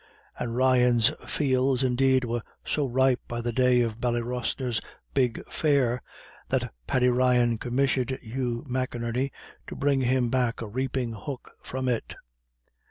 The Ryans' field, indeed, was so ripe by the day of Ballybrosna Big Fair, that Paddy Ryan commissioned Hugh McInerney to bring him back a reaping hook from it.